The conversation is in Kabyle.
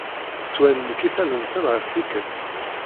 Swan lkisan-nsen ɣef tikkelt.